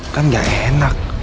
kan gak enak